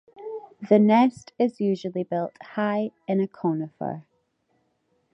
The nest is usually built high in a conifer.